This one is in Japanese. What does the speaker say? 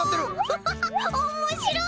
ハハハッおもしろい！